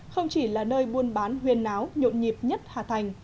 không chỉ là nơi buôn bán huyên náo nhộn nhịp nhất hà thành